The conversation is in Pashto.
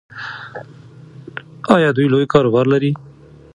ایا دوی لوی کاروبار لري؟